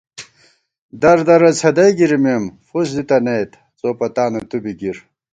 دردرہ څھدَئی گِرِمېم، فُس دِتَنَئیت ، څو پتانہ تُو بی گِر